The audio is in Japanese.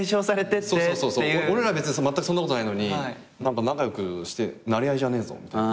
俺らは別にまったくそんなことないのに何か仲良くしてなれ合いじゃねえぞみたいな。